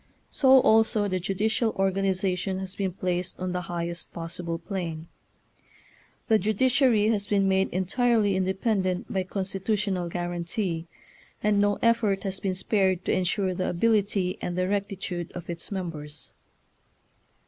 So also the ju dicial organization has been placed on the highest possible plane. The judiciai y has been made entirely independent by constitutional guarantee, and no effort has been spared to ensure the ability and the rectitude of its members.